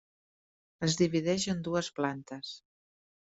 Es divideix en dues plantes.